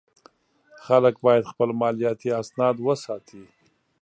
خلک باید خپل مالیاتي اسناد وساتي.